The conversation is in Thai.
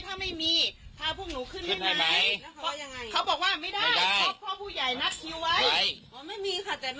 ถ้าไม่มีถ้าพวกหนูขึ้นให้มา